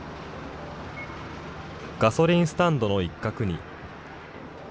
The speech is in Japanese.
ガソリンスタンドの一角に。